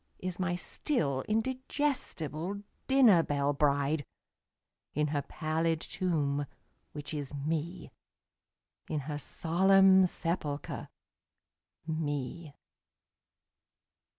Is n^y still indigestible dinner belle bride, In her pallid tomb, which is Me, In her solemn sepulcher, Me.